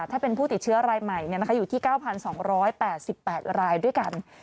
ถ้าเป็นผู้ติดเชื้อรายใหม่อยู่ที่๙๒๘๘รายด้วยกัน